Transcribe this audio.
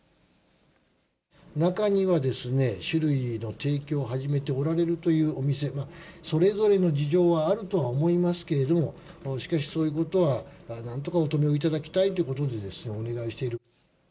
中にはですね、酒類の提供を始めておられるというお店が、それぞれの事情はあるとは思いますけれども、しかしそういうことは、なんとかお止めをいただきたいということでお願いしている。